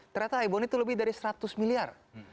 ternyata ibon itu lebih dari seratus miliar